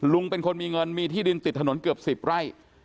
ลุงเป็นคนมีเงินมีที่ดินติดถนนเกือบ๑๐ไร่